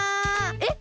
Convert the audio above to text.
えっ？